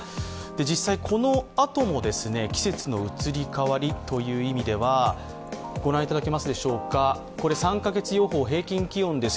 実際、このあとも季節の移り変わりという意味では、これ、３か月予報、平均予報です。